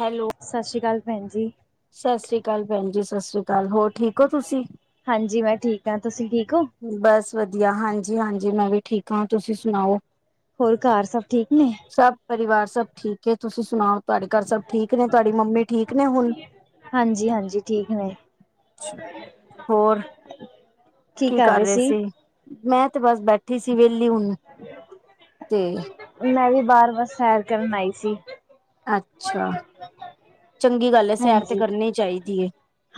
Hello. ਸ਼ਸ਼ੀ ਕਾਲ ਭੈਣ ਜੀ। ਸਸੀ ਕਾਲ ਭੈਣ ਜੀ ਸਸੀ ਕਾਲ ਹੋਰ ਠੀਕ ਓ ਤੁਸੀਂ। ਹਾਂਜੀ ਮੈਂ ਠੀਕ ਹਾਂ ਤੁਸੀਂ ਠੀਕ ਹੋ ਬਸ ਵਧੀਆ ਹਾਂਜੀ -ਹਾਂਜੀ ਮੈਂ ਵੀ ਠੀਕ ਆ ਤੁਸੀਂ ਸੁਣਾਓ। ਹੋਰ ਘਾਰ ਸਭ ਠੀਕ ਨੇ? ਸਭ ਪਰਿਵਾਰ ਸਭ ਠੀਕ ਏ। ਤੁਸੀਂ ਸੁਣਾਓ ਤਾਡੇ ਘਰ ਸਭ ਠੀਕ ਨੇ ਤੁਹਾਡੀ ਮੰਮੀ ਠੀਕ ਨੇ ਹੁਣ? ਹਾਂਜੀ -ਹਾਂਜੀ ਠੀਕ ਨੇ। ਛ ਹੋਰ। [unintelligible] ਕੀ ਕਰ ਰਹੇ ਸੀ ਮੈਂ ਤੇ ਬਸ ਬੈਠੀ ਸੀ ਵੇਹਲੀ ਹੁਣ ਤੇ। ਮੈਂ ਵੀ ਬਾਰ ਬਸ ਸੈਰ ਕਰਨ ਆਈ ਸੀ। ਅੱਛਾ। ਚੰਗੀ ਗੱਲ ਏ ਸੈਰ ਤੇ ਹਾਂਜੀ ਕਰਨੀ ਚਾਹੀਦੀ ਐ।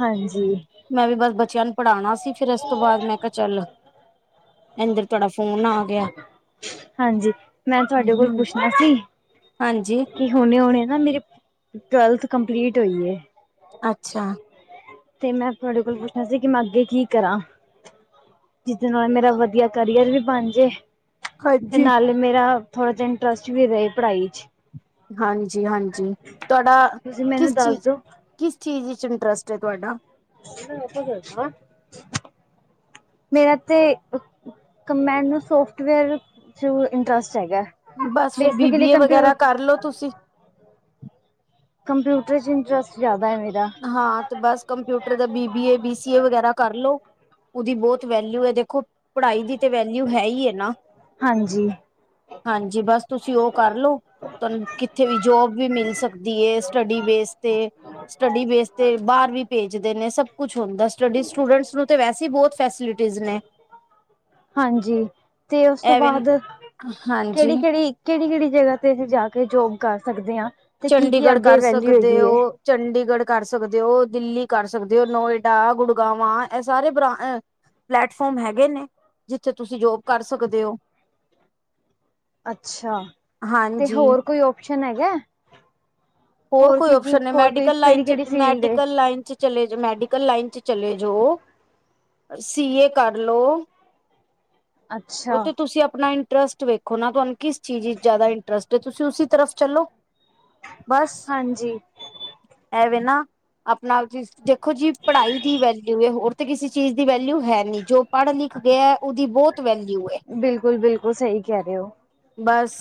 ਹਾਂਜੀ ਮੈਂ ਵੀ ਬਸ ਬੱਚਿਆਂ ਨੂੰ ਪੜ੍ਹਾਣਾ ਸੀ ਫੇਰ ਇਸ ਤੋਂ ਬਾਅਦ ਮੈਂ ਕਿਹਾ ਚੱਲ। ਇੰਨੀ ਦੇਰ ਤੁਹਾਡਾ ਫ਼ੋਨ ਆ ਗਿਆ। ਹਾਂਜੀ ਮੈਂ ਤੁਹਾਡੇ ਕੋਲ ਹਮ ਪੁੱਛਣਾ ਸੀ। ਹਾਂਜੀ ਕਿ ਹੁਣੇ- ਹੁਣੇ ਨਾ ਮੇਰੀ ਟਵੈਲਥ ਕੰਪਲੀਟ ਹੋਈ ਏ। ਅੱਛਾ। ਤੇ ਮੈਂ ਤੁਹਾਡੇ ਕੋਲ ਪੁੱਛਣਾ ਸੀ ਕਿ ਮੈਂ ਅੱਗੇ ਕੀ ਕਰਾਂ। ਜਿਸਦੇ ਨਾਲ ਮੇਰਾ ਵਧੀਆ ਕਰੀਅਰ ਵੀ ਬਣਜੇ। ਤੇ ਹਾਂਜੀ ਨਾਲ਼ੇ ਮੇਰਾ ਥੋੜ੍ਹਾ ਜਿਹਾ ਇੰਟਰਸਟ ਵੀ ਰਹੇ ਪੜ੍ਹਾਈ 'ਚ। ਹਾਂਜੀ- ਹਾਂਜੀ ਤੁਹਾਡਾ ਤੁਸੀਂ ਮੈਨੂੰ ਕਿਸ ਦੱਸ ਚੀਜ਼। ਦੋ ਕਿਸ ਚੀਜ਼ ਵਿੱਚ ਇੰਟਰਸਟ ਐ ਤੁਹਾਡਾ? ਮੇਰਾ ਤੇ। ਏਕ ਮੈਨੂੰ ਸੋਫਟਵੇਅਰ ਚ ਇੰਟਰਸਟ ਹੈਗਾ। ਬਸ ਫੇਰ ਬੀ ਬੀ ਬੇਸਿਕਲੀ ਏ ਕੰਪਿਊ ਵਗੈਰਾ ਕਰਲੋ ਤੁਸੀਂ। ਕੰਪਿਊਟਰ ਚ ਇੰਟਰਸਟ ਜਾਦਾ ਐ ਮੇਰਾ। ਹਾਂ ਤੇ ਬਸ ਕੰਪਿਊਟਰ ਦਾ B B A, B C A ਵਗੈਰਾ ਕਰ ਲੋ। ਉਦੀ ਬੋਤ ਵੈਲਿਊ ਐ ਦੇਖੋ, ਪੜ੍ਹਾਈ ਦੀ ਤਾਂ ਵੈਲਿਊ ਹੈ ਈ ਐ ਨਾ। ਹਾਂਜੀ। ਹਾਂਜੀ ਬਸ ਤੁਸੀਂ ਓ ਕਰਲੋ ਤੁਆਨੂੰ ਕਿੱਥੇ ਵੀ ਜੋਬ ਵੀ ਮਿਲ ਸਕਦੀ ਐ ਸਟੱਡੀ ਬੇਸ ਤੇ ਸਟੱਡੀ ਬੇਸ ਤੇ ਬਾਰ ਵੀ ਭੇਜਦੇ ਨੇ ਸਭ ਕੁਛ ਹੁੰਦਾ ਸਟੱਡੀ ਸਟੂਡੈਂਟਸ ਨੂੰ ਤੇ ਵੈਸੇ ਈ ਬੋਤ ਫੈਸਿਲਿਟੀਜ਼ ਨੇ। ਹਾਂਜੀ, ਤੇ ਓਸ ਤੋਂ ਐਵੇਂ ਬਾਦ, ਹਾਂਜੀ ਕੇੜੀ-ਕੇੜੀ ਕੇੜੀ-ਕੇੜੀ ਜਗਾ ਤੇ ਅਸੀਂ ਜਾ ਕੇ ਜੋਬ ਕਰ ਸਕਦੇ ਆਂ ਤੇ ਕੀ-ਕੀ ਚੰਡੀਗੜ੍ਹ ਅੱਗੇ ਕਰ ਵੈਲੂ ਸਕਦੇ ਹੈਗੀ ਐਂ। ਹੋ ਚੰਡੀਗੜ੍ਹ ਕਰ ਸਕਦੇ ਓ, ਦਿੱਲੀ ਕਰ ਸਕਦੇ ਓ, ਨੋਏਡਾ, ਗੁੜਗਾਵਾਂ ਏਹ ਸਾਰੇ ਬਾਂ ਪਲੈਟਫੋਮ ਹੈਗੇ ਨੇ, ਜਿੱਥੇ ਤੁਸੀਂ ਜੋਬ ਕਰ ਸਕਦੇ ਓ? ਅੱਛਾ, ਤੇ ਹਾਂਜੀ ਹੋਰ ਕੋਈ ਓਪਸ਼ਨ ਹੈਗਾ। ਹੋਰ ਕੋਈ ਕੀ ਕੀ ਓਪਸ਼ਨ ਨੇ ਕੋਈ ਕੋਈ ਮੈਡੀਕਲ ਲਾਈਨ ਕਿਹੜੀ ਚ, ਕਿਹੜੀ ਫੀਲਡ ਏ ਮੈਡੀਕਲ ਲਾਈਨ ਚ ਚਲੇ ਜੋ ਮੈਡੀਕਲ ਲਾਈਨ ਚ ਚਲੇ ਜੋ। ਸੀ ਏ ਕਰਲੋ, ਓ ਅੱਛਾ ਤੇ ਤੁਸੀਂ ਆਪਣਾ ਇੰਟਰਸਟ ਵੇਖ ਖੋ ਤੁਆਨੂੰ ਕਿਸ ਚੀਜ਼ ਵਿਚ ਜਾਦਾ ਇੰਟਰਸਟ ਏ ਤੁਸੀਂ ਓਸੀ ਤਰਫ ਚੱਲੋ। ਬਸ, ਹਾਂਜੀ ਐਵੇ ਨਾ ਆਪਣਾ ਆਪ ਜਿਸ ਦੇਖੋ ਜੀ ਪੜ੍ਹਾਈ ਦੀ ਵੈਲਿਊ ਐ ਹੋਰ ਤੇ ਕਿਸੇ ਚੀਜ਼ ਦੀ ਵੈਲਿਊ ਹੈ ਨੀ ਜੋ ਪੜ੍ਹ ਲਿਖ ਗਿਆ ਓਦੀ ਬੋਤ ਵੈਲਿਊ ਐ। ਬਿਲਕੁਲ ਬਿਲਕੁਲ ਸਹੀ ਕਹਿ ਰਹੇ ਹੋ ਬਸ,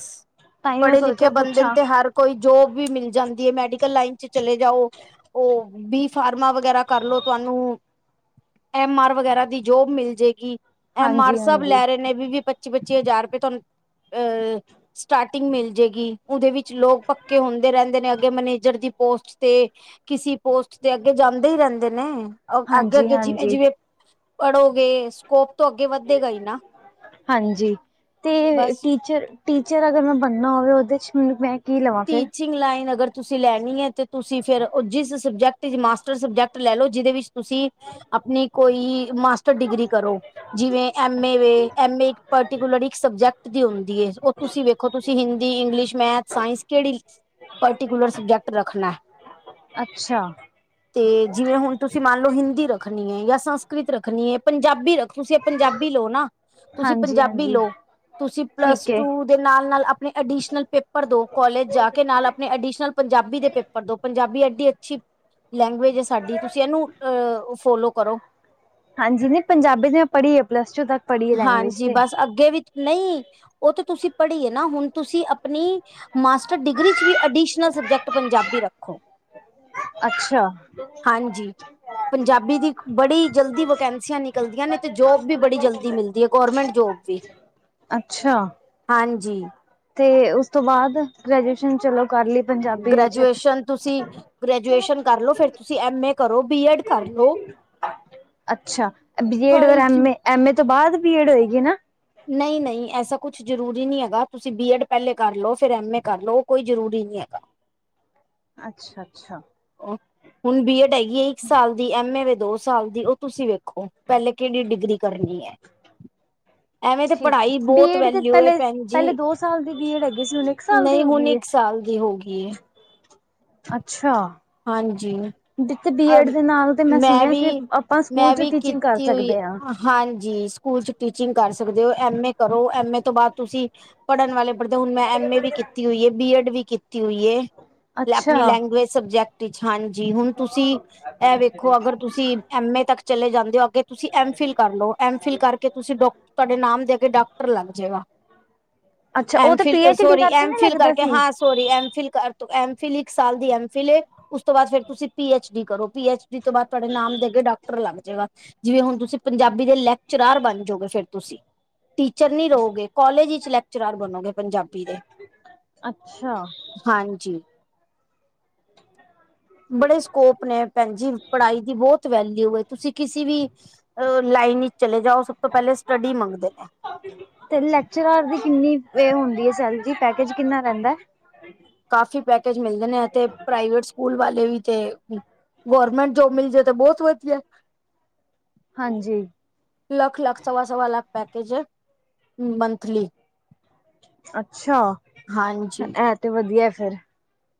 ਤਾਂ ਹੀ ਮੈਂ ਪੜ੍ਹੇ-ਲਿਖੇ ਸੋਚਿਆ ਬੰਦੇ ਨੇ ਪੁੱਛਾਂ ਤੇ ਹਰ ਕੋਈ ਜੋਬ ਵੀ ਮਿਲ ਜਾਂਦੀ ਐ ਮੈਡੀਕਲ ਲਾਈਨ ਚ ਚਲੇ ਜਾਓ। ਓ ਬੀ ਫਾਰਮਾਂ ਵਗੈਰਾ ਕਰਲੋ ਤੁਆਨੂੰ ਐਮ ਆਰ ਵਗੈਰਾ ਦੀ ਜੋਬ ਮਿਲ ਜਾਏਗੀ, ਐਮ ਆਰ ਹਾਂਜੀ ਸਭ ਹਾਂਜੀ ਲੈ ਰਹੇ ਨੇ ਵੀ-ਵੀ, ਪੱਚੀ ਪੱਚੀ-ਪੱਚੀ ਹਜ਼ਾਰ ਰੁਪਏ ਤੁਆਨੂੰ, ਅਹ ਸਟਾਰਟਿੰਗ ਮਿਲ ਜਏਗੀ ਉਦੇ ਵਿੱਚ ਲੋਕ ਕੇ ਹੁੰਦੇ ਰੈਂਦੇ ਨੇ ਅੱਗੇ ਮੈਨੇਜਰ ਦੀ ਪੋਸਟ ਤੇ ਕਿਸੇ ਪੋਸਟ ਤੇ ਅੱਗੇ ਜਾਂਦੇ ਈ ਰੈਂਦੇ ਨੇ ਹਾਂਜੀ ਅੱਗੇ-ਅੱਗੇ ਹਾਂਜੀ ਜਿਵੇਂ-ਜਿਵੇਂ, ਪੜ੍ਹੋਗੇ ਸਕੋਪ ਤੋਂ ਅੱਗੇ ਵ ਹਾਂਜੀ ਤੇ ਬਸ ਟੀਚਰ ਟੀਚਰ ਅਗਰ ਮੈਂ ਬਣਨਾ ਹੋਵੇ ਓਦੇ ਚ ਮੈਨੂੰ ਮੈਂ ਕੀ ਲਵਾਂ ਫੇਰ ਟੀਚਿੰਗ ਲਾਈਨ ਅਗਰ ਤੁਸੀਂ ਲੈਣੀ ਐ ਤੇ ਤੁਸੀਂ ਫੇਰ ਜਿਸ ਸਬਜੈਕਟ ਚ ਮਾਟਰ ਸਬਜੈਕ ਲੈ ਲਓ ਜਿਦੇ ਵਿੱਚ ਤੁਸੀਂ ਆਪਣੀ ਕੋਈ ਮਾਸਟਰ ਡਿਗਰੀ ਕਰੋ ਜਿਵੇਂ ਐਮ ਏ ਵੇ ਐਮ ਏ ਏਕ ਪਰਟੀਕੂਲਰ ਇੱਕ ਸਬਜੈਕਟ ਦੀ ਹੁੰਦੀ ਐ ਓ ਤੁਸੀਂ ਵੇਖੋ ਤੁਸੀਂ ਹਿੰਦੀ, ਇੰਗਲਿਸ਼, ਮੈਥ, ਸਾਇੰਸ ਕੇੜੀ, ਪਟੀਕੁਲਰ ਸਬਜੈਕਟ ਰੱਖਣਾ। ਅੱਛਾ। ਤੇ ਜਿਵੇਂ ਹੁਣ ਤੁਸੀਂ ਮੰਨ ਲਓ ਹਿੰਦੀ ਰੱਖਣੀ ਐ ਜਾਂ ਸੰਸਕ੍ਰਿਤ ਰੱਖਣੀ ਏ ਪੰਜਾਬੀ ਰੱਖ ਤੁਸੀਂ ਪੰਜਾਬੀ ਲਓ ਨਾ, ਤੁਸੀਂ ਹਾਂਜੀ ਪੰਜਾਬੀ ਹਾਂਜੀ ਲਓ ਤੁਸੀਂ ਪਲੱਸ ਠੀਕ ਹੈ ਟੂ ਦੇ ਨਾਲ-ਨਾਲ ਆਪਣੇ ਅਡੀਸ਼ਨਲ ਪੇਪਰ ਦੋ ਕੋਲਜ ਜਾ ਕੇ ਨਾਲ ਆਪਣੇ ਅਡੀਸ਼ਨਲ ਪੰਜਾਬੀ ਦੇ ਪੇਪਰ ਦੋ ਪੰਜਾਬੀ ਐਡੀ ਅੱਛੀ, ਲੈਂਗੁਏਜ ਐ ਸਾਡੀ ਤੁਸੀਂ ਏਨੂੰ, ਅਹ ਫੋਲੋ ਕਰੋ। ਹਾਂਜੀ ਨੀਪੰਜਾਬੀ ਦੀ ਮੈਂ ਪੜ੍ਹੀ ਐ ਪਲੱਸ ਟੂ ਤੱਕ ਪੜ੍ਹੀ ਹੈ ਲੈਂਗੁਏਜ ਹਾਂਜੀ ਤੇ ਬਸ ਅੱਗੇ ਵੀ ਨਈ ਓ ਤਾਂ ਤੁਸੀਂ ਪੜ੍ਹੀਏ ਨਾ ਹੁਣ ਤੁਸੀਂ ਅਪਣੀ ਮਾਸਟਰ ਡਿਗਰੀ ਚ ਵੀ ਅਡੀਸ਼ਨਲ ਸਬਜੈਕਟ ਪੰਜਾਬੀ ਰੱਖੋ। ਅੱਛਾ। ਹਾਂਜੀ ਪੰਜਾਬੀ ਦੀ, ਬੜੀ ਜਲਦੀ ਵੈਕੈਂਸੀਆਂ ਨਿਕਲਦੀਆਂ ਨੇ ਤੇ ਜੋਬ ਵੀ ਬੜੀ ਜਲਦੀ ਮਿਲਦੀ ਹੈ ਗੌਰਮੈਂਟ ਜੋਬ ਜੇ, ਅੱਛਾ ਹਾਂਜੀ। ਤੇ ਉਸ ਤੋਂ ਬਾਅਦ, ਗਰੇਜੂਏਸ਼ਨ ਚਲੋ ਕਰਲੀ ਗ੍ਰੈਜੂਏਸ਼ਨ ਤੁਸੀਂ, ਗ੍ਰੈਜੂਏਸ਼ਨ ਕਰ ਲੋ ਫਿਰ ਤੁਸੀਂ ਐਮ ਏ ਕਰੋ ਬੀ ਐਡ ਕਰ ਲੋ, ਅੱਛਾ ਬੀਏਡ ਔਰ ਐਮ ਹਾਂਜੀ। ਏ ਐਮ ਏ ਤੋਂ ਬਾਅਦ, ਬੀਏਡ ਹੋਏਗੀ ਨਾ ਨਹੀਂ- ਨਹੀਂ ਐਸਾ ਕੁਛ ਜ਼ਰੂਰੀ ਨਹੀਂ ਹੈਗਾ, ਤੁਸੀਂ ਬੀ ਐਡ ਪਹਿਲੇ ਕਰ ਲਓ, ਫਿਰ ਐਮ ਏ ਕਰ ਲਓ ਉਹ ਕੋਈ ਜ਼ਰੂਰੀ ਨਹੀਂ ਹੈਗਾ ਅੱਛਾ-ਅੱਛਾ। ਹੁਣ ਬੀ ਐਡ ਹੈਗੀ ਏ ਇੱਕ ਸਾਲ ਦੀ, ਐਮ ਏ ਵੇ ਦੋਸ ਸਾਲ ਦੀ ਉਹ ਤੁਸੀਂ ਵੇਖੋ, ਪਹਿਲੇ ਕਿਹੜੀ ਡਿਗਰੀ ਕਰਨੀ ਹੈ। [inaudible] ਐਵੇਂ ਤੇ ਠੀਕ ਪੜ੍ਹਾਈ, ਬਹੁਤ ਬੀਏਡ ਤੇ ਵੈਲਿਊ ਏ ਪਹਿਲੇ ਭੈਣ ਜੀ। ਪਹਿਲੇ ਦੋ ਸਾਲ ਦੀ ਬੀਏਡ ਹੈਗੀ ਸੀ ਹੁਣ ਇੱਕ ਸਾਲ ਦੀ ਨਹੀਂ ਹੋ ਹੁਣ ਗਈ ਹੈ ਇੱਕ ਸਾਲ ਦੀ ਹੋਗੀ ਏ ਅੱਛਾ। ਹਾਂਜੀ। ਤੇ ਬੀਏਡ [unintelligible] ਦੇ ਨਾਲ ਤੇ ਮੈਂ ਸੁਣਿਆ ਸੀ ਵੀ, ਆਪਾਂ ਸਕੂਲ ਮੈਂ ਚ ਵੀ ਟੀਚਿੰਗ ਕਰ ਕੀਤੀ ਹੋਈ ਏ ਸਕਦੇ ਹਾਂ। ਹਾਂਜੀ ਸਕੂਲ ਚ ਟੀਚਿੰਗ ਕਰ ਸਕਦੇ ਹੋ, ਐਮ ਏ ਕਰੋ ਐਮ ਏ ਤੋਂ ਬਾਅਦ ਤੁਸੀਂ, ਪੜ੍ਹਨ ਵਾਲੇ ਹੁਣ ਦੋ ਮੈਂ ਐਮ ਏ ਵੀ ਕੀਤੀ ਹੋਈ ਏ, ਬੀ ਐਡ ਵੀ ਕੀਤੀ ਹੋਈ ਏ। ਅੱਛਾ। ਆਪਣੀ ਲੈਂਗੁਏਜ ਸਬਜੈਕਟ ਤੇ ਛਾਂਜੀ ਹੁਣ ਤੁਸੀਂ ਇਹ ਵੇਖੋ ਅਗਰ ਤੁਸੀਂ, ਐਮ ਏ ਤੱਕ ਚਲੇ ਜਾਂਦੇ ਹੋ ਅੱਗੇ ਤੁਸੀਂ ਐਮ ਫਿਲ ਕਰ ਲਓ, ਐਮ ਫਿਲ ਕਰਕੇ ਤੁਸੀਂ ਡੋਕ ਤੁਹਾਡੇ ਨਾਮ ਦੇ ਅਗੇ ਡਾਕਟਰ ਲੱਗ ਜਾਏਗਾ। ਅੱਛਾ ਉਹ ਆਮ ਤੇ ਫਿਲ ਪੀ ਏ ਐਚ ਡੀ ਸੋਰੀ, ਕਰਕੇ ਐਮ ਨਾ ਫਿਲ ਲੱਗਦਾ ਕਰਕੇ ਸੀ। ਹਾਂ। ਸੋਰੀ ਐਮ ਫਿਲ ਕਰਤੁ, ਐਮ ਫਿਲ ਇੱਕ ਸਾਲ ਦੀ ਐਮ ਫਿਲ ਏ, ਉਸ ਤੋਂ ਬਾਅਦ ਫਿਰ ਤੁਸੀਂ ਪੀ ਐਚ ਡੀ ਕਰੋ। ਪੀ ਐਚ ਡੀ ਤੋਂ ਬਾਅਦ ਤੁਹਾਡੇ ਨਾਮ ਦੇ ਅੱਗੇ ਡਾਕਟਰ ਲੱਗ ਜਾਏਗਾ। ਜਿਵੇ ਹੁਣ ਤੁਸੀਂ ਪੰਜਾਬੀ ਦੇ ਲੈਕਚਰਾਰ ਬਣ ਜੋਗੇ ਫਿਰ। ਤੁਸੀਂ, ਟੀਚਰ ਨੀ ਰਹੋਗੇ ਕਾਲਜ ਵਿੱਚ ਲੈਕ ਚਰਾਰ ਬਣੋਗੇ ਪੰਜਾਬੀ ਦੇ, ਅੱਛਾ। ਹਾਂਜੀ। ਬੜੇ ਸਕੋਪ ਨੇ ਭੈਣ ਜੀ, ਪੜਾਈ ਦੀ ਬਹੁਤ ਵੈਲਿਊ ਏ ਤੁਸੀਂ ਕਿਸੀ ਵੀ, ਅ ਲਾਈਨ ਇਚ ਚਲੇ ਜਾਓ ਸਭ ਤੋਂ ਪਹਿਲੇ ਸਟੱਡੀ ਮੰਗਦੇ ਨੇ। ਤੇ ਲੈਕਚਰਾਰ ਦੀ ਕਿੰਨੀ, ਪੇ ਹੁੰਦੀ ਹੈ ਸੈਲਰੀ ਪੈਕੇਜ ਕਿੰਨਾ ਰਹਿੰਦਾ ਕਾਫੀ ਪੈਕੇਜ ਮਿਲਦੇ ਨੇ ਐ ਤੇ, ਪ੍ਰਾਈਵੇਟ ਸਕੂਲ ਵਾਲੇ ਵੀ ਤੇ ਗੋਰਮਿੰਟ ਜੋਬ ਮਿਲ ਜਾਏ ਤੇ ਬਹੁਤ ਵਧੀਆ। ਹਾਂਜੀ। ਲੱਖ-ਲੱਖ, ਸਵਾ-ਸਵਾ ਲੱਖ ਪੈਕੇਜ ਹੈ। ਮੰਥਲੀ ਅੱਛਾ। ਹਾਂਜੀ ਇਹ ਤੇ ਵਧੀਆ ਫ਼ਿਰ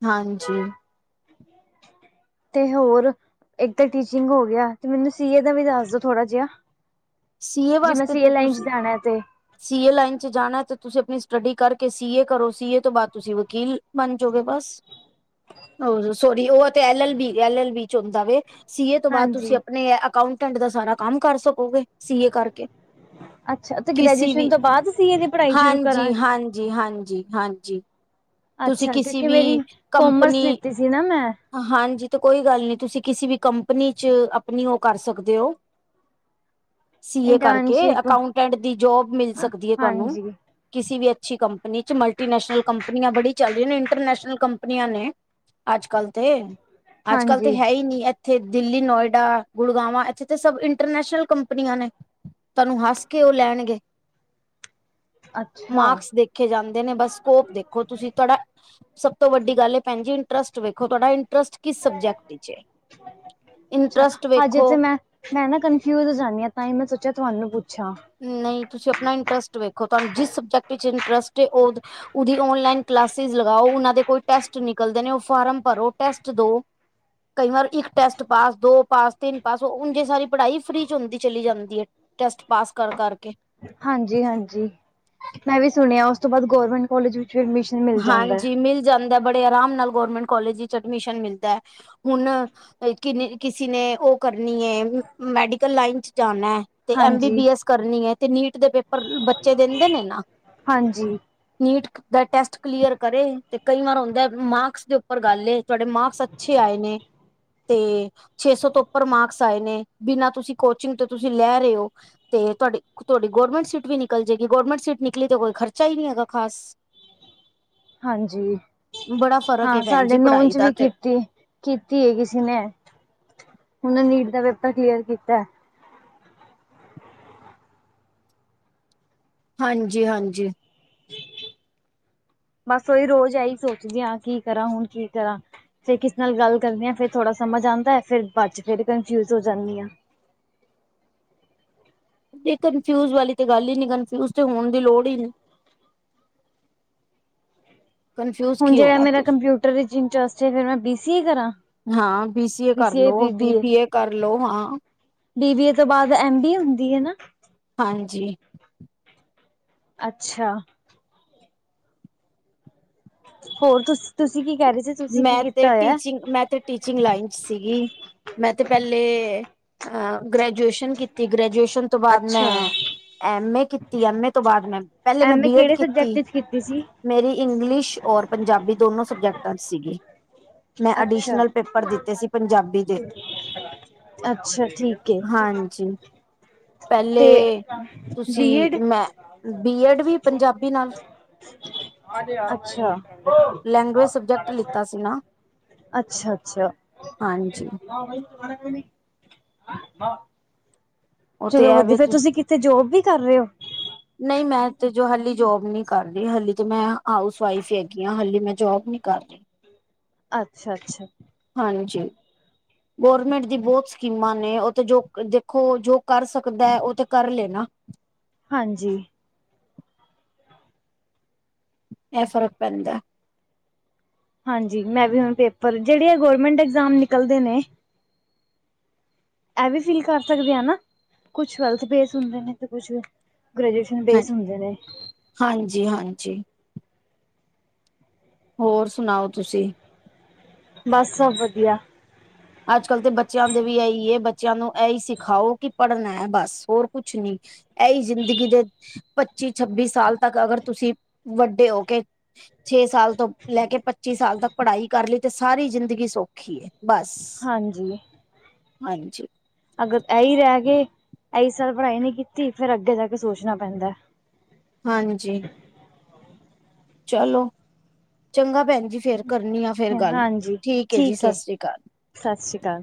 ਹਾਂਜੀ। ਤੇ ਹੋਰ, ਇੱਕ ਤਾਂ ਟੀਚਿੰਗ ਹੋ ਗਿਆ, ਤੇ ਮੈਨੂੰ ਸੀਏ ਦਾ ਵੀ ਦੱਸ ਦੋ ਥੋੜਾ ਜਿਹਾ ਸੀਏ ਜਿਵੇ ਵਾਸਤੇ ਸੀਏ ਤਾਂ ਲਾਈਨ ਚ ਤੁਸੀਂ ਜਾਣਾ ਤੇ ਸੀਏ ਲਾਈਨ ਚ ਜਾਣਾ ਤੇ ਤੁਸੀਂ ਆਪਣੀ ਸਟੱਡੀ ਕਰਕੇ ਸੀ ਏ ਕਰੋ, ਸੀ ਏ ਤੋਂ ਬਾਅਦ ਤੁਸੀਂ ਵਕੀਲ ਬਣ ਜੋ ਗੇ ਬੱਸ। [unintelligible] ਹਾਂਜੀ, ਸੋਰੀ ਉਹ ਤੇ L -L B, L L B ਚ ਹੁੰਦਾ ਵੇ। ਸੀ ਏ ਤੋਂ ਬਾਅਦ ਤੁਸੀਂ ਹਾਂਜੀ। ਆਪਣੇ ਅਕਾਊਂਟੈਂਟ ਦਾ ਸਾਰਾ ਕੰਮ ਕਰ ਸਕੋਗੇ, ਸੀ ਏ ਕਰਕੇ [inaudible] ਅੱਛਾ,। ਤੇ ਕਿਸੀ ਗ੍ਰੈਜੂਏਸ਼ਨ ਵੀ ਤੋਂ ਬਾਅਦ ਸੀਏ ਦੀ ਪੜ੍ਹਾਈ ਸ਼ੁਰੂ ਕਰਾ। ਹਾਂਜੀ ਹਾਂਜੀ ਹਾਂਜੀ ਹਾਂਜੀ ਤੁਸੀਂ ਅੱਛਾ, ਕਿਸੀ ਕਿਉਂਕਿ ਵੀ ਮੇਰੀ ਕੋਮਰਸ ਕੰਪਨੀ ਲਿੱਤੀ ਸੀ ਨਾ ਮੈਂ। ਹਾਂਜੀ ਤੇ ਕੋਈ ਗੱਲ ਨੀ ਤੁਸੀਂ ਕਿਸੀ ਵੀ ਕੰਪਨੀ 'ਚ ਆਪਣੀ ਓ ਕਰ ਸਕਦੇ ਓ। ਸੀਏ ਕਰਕੇ, ਇੰਟਰਨਸ਼ਿਪ ਅਕਾਉਟੈਂਟ ਦੀ ਜੋਬ ਮਿਲ ਸਕਦੀ ਏ ਤੁਆਨੂੰ। ਹਾਂਜੀ ਕਿਸੀ ਵੀ ਅੱਛੀ ਕੰਪਨੀ 'ਚ। ਮਲਟੀਨੈਸ਼ਨਲ ਕੰਪਨੀਆਂ ਬੜੀ ਚੱਲ ਰੀਆ ਨੇ, ਇੰਟਰਨੈਸ਼ਨਲ ਕੰਪਨੀਆਂ ਨੇ ਅੱਜ-ਕੱਲ ਤੇ, ਅੱਜ- ਕੱਲ ਤੇ ਹਾਂਜੀ ਹੈ ਈ ਨੀ ਏਥ - ਏਥੇ ਦਿੱਲੀ, ਨੋਇਡਾ, ਗੁੜਗਾਵਾਂ ਏਥੇ ਤੇ ਸਬ ਇੰਟਰਨੈਸ਼ਨਲ ਕੰਪਨੀਆਂ ਨੇ। ਤੁੁਆਨੂੰ ਹੱਸ ਕੇ ਓ ਲੈਣਗੇ। ਅੱਛਾ ਮਾਰਕਸ ਦੇਖ ਰੱਖੇ ਜਾਂਦੇ ਨੇ, ਬਸ ਸਕੋਪ ਦੇਖੋ ਤੁਸੀਂ। ਤੁਆਡਾ ਸਭ ਤੋਂ ਵੱਡੀ ਗੱਲ ਏ ਭੈਣ ਜੀ ਇੰਟਰਸਟ ਵੇਖੋ, ਤੁਆਡਾ ਇੰਟਰਸਟ ਕਿਸ ਸਬਜੈਕਟ 'ਚ ਏ, ਅੱਛਾ ਇੰਟਰਸਟ ਹਜੇ ਵੇਖੋ। ਤੇ ਮੈਂ ਮੈਂ ਨਾ ਕਨਫਿਊਜ ਹੋ ਜਾਂਣੀ ਆਂ, ਤਾਂਈੰ ਮੈਂ ਸੋਚਿਆ ਤੁਆਨੂੰ ਪੁੱਛਾਂ। ਨਈ ਤੁਸੀਂ ਆਪਣਾ ਇੰਟਰਸਟ ਵੇਖੋ, ਤੁਆਨੂੰ ਜਿਸ ਸਬਜੈਕਟ ਵਿੱਚ ਇੰਟਰਸਟ ਏ, ਓ- ਉਦੀ ਓਨਲਾਈਨ ਕਲਾਸਿਜ ਲਗਾਓ, ਓਨਾ ਦੇ ਕੋਈ ਟੈਸਟ ਨਿਕਲਦੇ ਨੇ, ਓ ਫਾਰਮ ਭਰੋ ਟੈਸਟ ਦੋ। ਕਈ ਵਾਰ ਇੱਕ ਟੈਸਟ ਪਾਸ, ਦੋ ਪਾਸ, ਤਿੰਨ ਪਾਸ ਉੰਝੇ ਸਾਰੀ ਪੜ੍ਹਾਈ ਫ੍ਰੀ 'ਚ ਹੁੰਦੀ ਚਲੀ ਜਾਂਦੀ ਏ। ਟੈਸਟ ਪਾਸ ਕਰ ਕਰ ਕੇ। ਹਾਂਜੀ ਹਾਂਜੀ ਮੈਂ ਵੀ ਸੁਣਿਆ ਓਸ ਤੋਂ ਬਾਦ ਗੌਰਮੈਂਟ ਕਾਲਜ ਵਿੱਚ ਵੀ ਐਡਮੀਸ ਹਾਂਜੀ ਮਿਲ ਜਾਂਦਾ ਬੜੇ ਆਰਾਮ ਨਾਲ ਗੌਰਮੈਂਟ ਕਾਲਜ ਵਿੱਚ ਐਡਮਿਸ਼ਨ ਮਿਲਦਾ। ਹੁਣ ਵਈ ਕਿਨੇ ਕਿਸੀ ਨੇ ਓ ਕਰਨੀ ਏ, ਮੈਡੀਕਲ ਲਾਈਨ ਚ ਜਾਣਾ। ਤੇ ਐਮ ਹਾਂਜੀ ਬੀਬੀ ਐਸ ਕਰਨੀ ਏ ਤੇ ਨੀਟ ਦੇ ਪੇਪਰ ਬੱਚੇ ਦਿੰਦੇ ਨੇ ਨਾ। ਹਾਂਜੀ ਨੀਟ ਦਾ ਟੈਸਟ ਕਲੀਅਰ ਕਰੇ ਤੇ ਕਈ ਵਾਰ ਹੁੰਦਾ ਮਾਰਕਸ ਦੇ ਉੱਪਰ ਗੱਲ ਏ, ਤੁਆਡੇ ਮਾਰਕਸ ਅੱਛੇ ਆਏ ਨੇ। ਤੇ ਛੇ ਸੌ ਤੋਂ ਉੱਪਰ ਮਾਰਕਸ ਆਏ ਨੇ, ਬਿਨਾਂ ਤੁਸੀਂ ਕੋਚਿੰਗ ਤੋਂ ਤੁਸੀਂ ਲੈ ਰੇ ਓ। ਤੇ ਤੁਆਡੀ, ਤੁਆਡੀ ਗੋਰਮੈਂਟ ਸੀਟ ਵੀ ਨਿਕਲ ਜੇਗੀ, ਗੌਰਰਮੈਂਟ ਸੀਟ ਨਿਕਲੀ ਤੇ ਕੋਈ ਖਰਚਾ ਈ ਨੀ ਹੈਗਾ ਖਾਸ। ਹਾਂਜੀ, ਬੜਾ ਫ਼ਰਕ ਹਾਂ ਏ ਭੈਣ ਸਾਡੇ ਜੀ ਨੋਨ ਪੜ੍ਹਾਈ 'ਚ ਦਾ ਵੀ ਤੇ ਕੀਤੀ। ਕੀਤੀ ਏ ਕਿਸੇ ਨੇ, ਓਨੇ ਨੀਟ ਦਾ ਪੇਪਰ ਕਲੀਅਰ ਕੀਤਾ। ਹਾਂਜੀ ਹਾਂਜੀ। ਬਸ ਓਹੜਈ ਰੋਜ਼ ਐਈ ਸੋਚਦੀ ਆਂ, ਕੀ ਕਰਾਂ ਹੁਣ ਕੀ ਕਰਾਂ? ਫੇਰ ਕਿਸੇ ਨਾਲ ਗੱਲ ਕਰਨੀ ਆ, ਫੇਰ ਥੋੜਾ ਸਮਝ ਆਂਦਾ, ਫੇਰ ਬਾਦ 'ਚ ਫੇਰ ਕਨਫਿਊਜ ਹੋ ਜਾਂਨੀ ਆ। ਤੇ ਕਨਫਿਊਜ ਵਾਲੀ ਤੇ ਗੱਲ ਈ ਨੀ, ਕਨਫਿਊਜ ਤੇ ਹੋਣ ਦੀ ਲੋੜ ਈ ਨੀ। [unintelligible] ਕਨਫਿਊਜ ਹੁਣ ਕੀ ਜੇੜਾ ਹੋਣਾ ਮੇਰਾ ਤੁਸੀਂ ਕੰਪਿਊਟਰ ਵਿਚ ਇੰਟਰਸਟ ਹੈਗਾ, ਮੈਂ ਬੀ ਸੀ ਏ ਕਰਾਂ। ਹਾਂ ਬੀ ਸੀ ਏ ਕਰ ਲੋ, ਬੀਬੀਏ ਕਰ ਲੋ ਹਾਂ। ਬੀਬੀ ਏ ਤੋਂ ਬਾਦ ਐਮ ਬੀਏ ਹੁੰਦੀ ਏ ਨਾ। ਹਾਂਜੀ। ਅੱਛਾ। ਹੋਰ ਤੁਸ ਤੁਸੀਂ ਕੀ ਕਰ ਰੇ ਸੀ? ਤੁਸੀਂ ਕੀ ਮੈਂ ਤੇ ਕੀਤਾ ਹੋਇਆ ਟੀਚਿੰਗ ਮੈਂ ਤੇ ਟੀਚਿੰਗ ਲਾਈਨ 'ਚ ਸੀਗੀ, ਮੈਂ ਤੇ ਪੈਲੇ ਆ ਗ੍ਰੈਜੂਏਸਨ ਕੀਤੀ, ਗ੍ਰੈਜੂਏਸ਼ਨ ਤੋਂ ਬਾਦ ਅੱਛਾ ਮੈਂ ਐਮ ਏ ਕੀਤੀ, ਐਮ ਏ ਤੋਂ ਬਾਦ ਮੈਂ ਪੈਲੇ ਮੈਂ ਐਮ ਏ ਬੀ ਐਡ ਕਿਹੜੇ ਕੀਤੀ। ਸਬਜੈਕਟ 'ਚ ਕੀਤੀ ਸੀ? ਮੇਰੀ ਇੰਗਲਿਸ਼ ਔਰ ਪੰਜਾਬੀ ਦੋਨੋ ਸਬਜੈਕਟਾਂ 'ਚ ਸੀਗੀ। ਮੈਂ ਅੱਛਾ ਅਡੀਸ਼ਨਲ ਪੇਪਰ ਦਿੱਤੇ ਸੀ ਪੰਜਾਬੀ ਦੇ। ਅੱਛਾ ਠੀਕ ਏ। ਹਾਂਜੀ ਤੇ ਪਹਿਲੇ ਬੀਐਡ। ਤੁਸੀਂ ਮੈਂ ਬੀ ਐਡ ਵੀ ਪੰਜਾਬੀ ਨਾਲ ਅੱਛਾ ਕਟ ਲਿੱਤਾ ਸੀ ਨਾ। ਅੱਛਾ-ਅੱਛਾ। ਹਾਂਜੀ ਉਹ ਤੇ ਚਲੋ ਵਧੀਆ ਐਵੇ ਫੇਰ ਤੁਸੀਂ ਕਿੱਥੇ ਜੋਬ ਵੀ ਕਰ ਰਹੇ ਹੋ? ਨਹੀਂ ਮੈਂ ਤੇ ਜੋ ਹਲੇ ਜੋਬ ਨੀ ਕਰਦੀ, ਹਾਲੇ ਤਾਂ ਮੈਂ ਹਾਊਸ ਵਾਈਫ ਹੈਗੀ ਹਾਂ, ਹਾਲੇ ਤਾਂ ਮੈਂ ਜੋਬ ਨੀ ਕਰਦੀ। ਅੱਛਾ-ਅੱਛਾ। ਹਾਂਜੀ। ਗਰਮੈਂਟ ਦੀ ਬਹੁਤ ਸਕੀਮਾਂ ਨੇ ਉਹ ਤੇ ਜੋ ਦੇਖੋ ਜੋ ਕਰ ਸਕਦਾ ਉਹ ਤੇ ਕਰ ਲੇ ਣਾ। ਹਾਂਜੀ। ਐ ਫਰਕ ਪੈਂਦਾ ਐ। ਹਾਂਜੀ, ਮੈਂ ਵੀ ਹੁਣ ਪੇਪਰ- ਜਿਹੜੇ ਆ ਗੌਰਮੈਂਟ ਐਗਜ਼ਾਮ ਨਿਕਲਦੇ ਨੇ ਐਵੀ ਫੀਲ ਕਰ ਸਕਦੇ ਆ ਨਾ, ਕੁਛ ਗਲਤ ਬੇਸ ਹੁੰਦੇ ਨੇ ਤੇ ਕੁਛ ਗ੍ਰੇਜੂ਼ਏਸ਼ ਹਾਂ ਬੇਸ ਹੁੰਦੇ ਨੇ। ਹਾਂਜੀ- ਹਾਂਜੀ। ਹੋਰ ਸੁਣਾਓ ਤੁਸੀਂ? ਬੱਸ ਸਬ ਵਧੀਆ। ਅੱਜ-ਕੱਲ੍ਹ ਤੇ ਬੱਚਿਆਂ ਦੇ ਵੀ ਇਹੀ ਏ, ਬੱਚਿਆਂ ਨੂੰ ਇਹੀ ਸਿਖਾਓ ਕਿ ਪੜ੍ਹਨਾ ਐ ਬਸ, ਹੋਰ ਕੁਛ ਨੀ। ਐਈ ਜ਼ਿੰਦਗੀ ਦੇ ਪੱਚੀ- ਛੱਬੀ ਸਾਲ ਤੱਕ ਅਗਰ ਤੁਸੀਂ ਵੱਡੇ ਹੋ ਕੇ ਛੇ ਸਾਲ ਤੋਂ ਲੈ ਕੇ ਪੱਚੀ ਸਾਲ ਤੱਕ ਪੜ੍ਹਾਈ ਕਰ ਲਈ ਤੇ ਸਾਰੀ ਜ਼ਿੰਦਗੀ ਸੌਖੀ ਏ, ਬਸ। ਹਾਂਜੀ। ਹਾਂਜੀ। ਅਗਰ ਐਈ ਰਹਿ ਗੇ, ਇਹੀ ਸਾਲ ਪੜ੍ਹਾਈ ਨਹੀਂ ਕੀਤੀ ਫੇਰ ਅੱਗੇ ਜਾ ਕੇ ਸੋਚਣਾ ਪੈਂਦਾ। ਹਾਂਜੀ। ਚਾਲੋ, ਚੰਗਾ ਭੈਣ ਜੀ ਫੇਰ ਕਰਨੀ ਆਂ ਫੇਰ ਗੱਲ, ਠੀਕ ਏ ਜੀ, ਸਸਰੀ ਕਾਲ। ਸਤਿ ਸ੍ਰੀ ਅਕਾਲ।